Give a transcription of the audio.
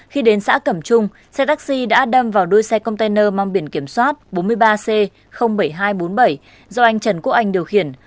khi đến xã cẩm trung xe taxi đã đâm vào đuôi xe container mang biển kiểm soát bốn mươi ba c bảy nghìn hai trăm bốn mươi bảy do anh trần quốc anh điều khiển